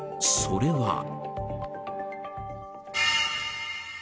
それは。